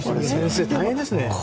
先生、これは大変ですね。